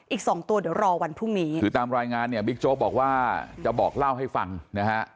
อีกสองตัวเดี๋ยวรอวันพรุ่งนี้คือตามรายงานเนี่ยบิ๊กโจ๊กบอกว่าจะบอกเล่าให้ฟังนะฮะ